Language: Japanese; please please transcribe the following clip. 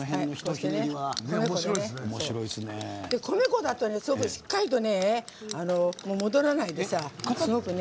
米粉だとしっかりと戻らないでさすごくね。